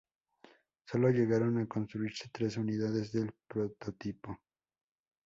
Sólo llegaron a construirse tres unidades del prototipo.